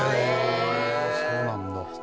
そうなんだ。